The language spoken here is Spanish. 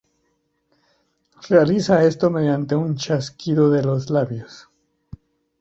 Realiza esto mediante el chasquido de los labios.